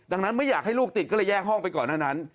ดังนั้นไม่อยากให้ลูกติดก็เลยแยกห้องไปก่อนหน้านั้น